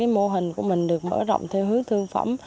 mô hình của mình được mở rộng theo hướng thương phẩm